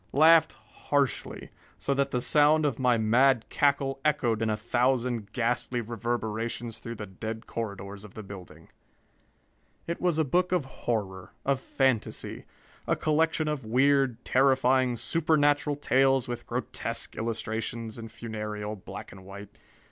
Laughed harshly, so that the sound of my mad cackle echoed in a thousand ghastly reverberations through the dead corridors of the building. It was a book of horror, of fantasy. A collection of weird, terrifying, supernatural tales with grotesque illustrations in funereal black and white.